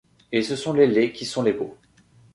Et ce sont les laids qui sont les beaux.